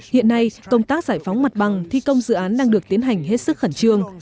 hiện nay công tác giải phóng mặt bằng thi công dự án đang được tiến hành hết sức khẩn trương